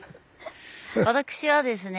私はですね